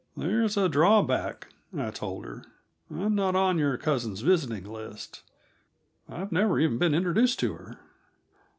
"There's a drawback," I told her. "I'm not on your cousin's visiting list; I've never even been introduced to her."